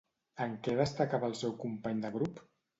En què destacava el seu company de grup?